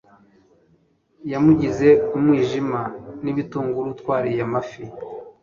yamugize umwijima n'ibitunguru; twariye amafi